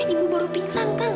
ibu baru pingsan kang